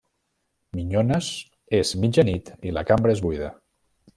Minyones, és mitjanit i la cambra és buida.